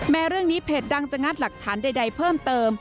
เรื่องนี้เพจดังจะงัดหลักฐานใดเพิ่มเติม